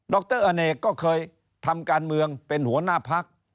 รอเนกก็เคยทำการเมืองเป็นหัวหน้าพัก